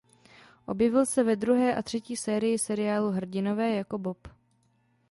Objevil se ve druhé a třetí sérii seriálu "Hrdinové" jako Bob.